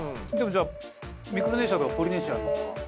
・じゃあミクロネシアとかポリネシアの方か。